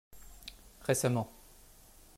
Récemment.